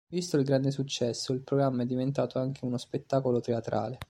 Visto il grande successo, il programma è diventato anche uno spettacolo teatrale.